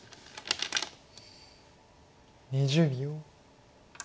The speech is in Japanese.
２０秒。